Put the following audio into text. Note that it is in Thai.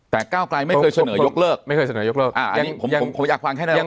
แต่ก้าวไกลไม่เคยเสนอยกเลิกไม่เคยเสนอยกเลิกผมอยากฟังแค่นั้นเอง